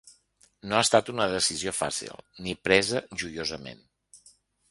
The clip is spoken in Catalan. No ha estat una decisió fàcil, ni presa joiosament.